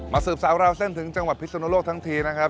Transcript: สืบสาวราวเส้นถึงจังหวัดพิศนุโลกทั้งทีนะครับ